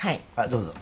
どうぞ。